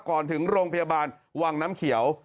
ก่อนถึงโรงพยาบาลว่างน้ำเขียว